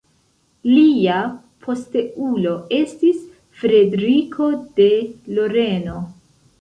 Lia posteulo estis Frederiko de Loreno.